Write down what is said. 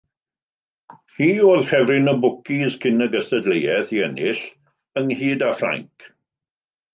Hi oedd ffefryn y bwcis cyn y gystadleuaeth i ennill, ynghyd â Ffrainc.